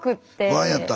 不安やった？